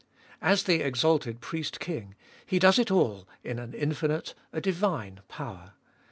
As the exalted Priest King He does it all in an infinite, a divine power.